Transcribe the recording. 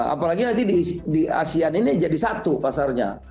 apalagi nanti di asean ini jadi satu pasarnya